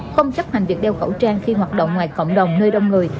không chấp hành việc đeo khẩu trang khi hoạt động ngoài cộng đồng nơi đông người